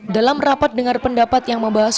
dalam rapat dengar pendapat yang membahas